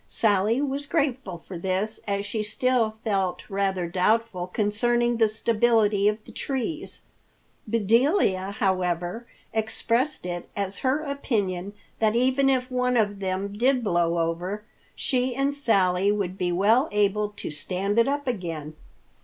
Sally was grateful for this as she still felt rather doubtful concerning the stability of the trees. Bedelia, however, expressed it as her opinion that even if one of them did blow over, she and Sally would be well able to stand it up again.